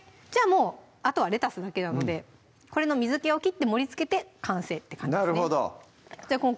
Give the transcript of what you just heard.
もうあとはレタスだけなのでこれの水けを切って盛りつけて完成って感じですね